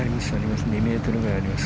２ｍぐらいあります。